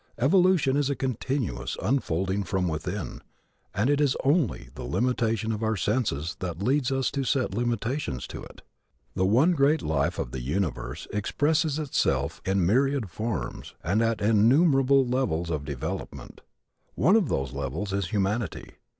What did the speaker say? Evolution is a continuous unfolding from within, and it is only the limitation of our senses that leads us to set limitations to it. The one great life of the universe expresses itself in myriad forms and at innumerable levels of development. One of those levels is humanity.